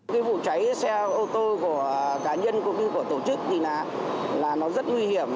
cái vụ cháy xe ô tô của cá nhân cũng như của tổ chức thì là nó rất nguy hiểm